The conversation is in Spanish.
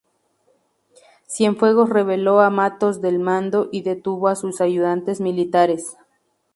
Cienfuegos relevó a Matos del mando y detuvo a sus ayudantes militares.